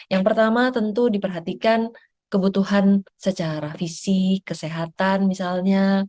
yang pertama tentu diperhatikan kebutuhan secara fisik kesehatan misalnya